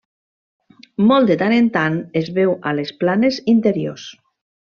Molt de tant en tant, es veu a les planes interiors.